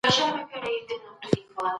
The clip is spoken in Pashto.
اسلام د هر چا حق په پوره میانه روۍ سره ورکوي.